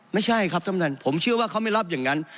ไม่ใช่ครับท่านประธานผมเชื่อว่าเขาไม่รับอย่างนั้น